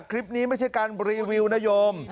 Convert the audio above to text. คลิปนี้ไม่ใช่การรีวิวนโยม